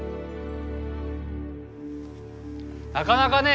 なかなかね